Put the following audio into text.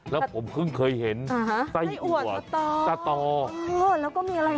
แล้วผมเพิ่งเคยเห็นไส้อัวสตอแล้วก็มีอะไร